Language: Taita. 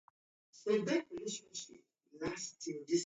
Uhu mwana wadashoashoa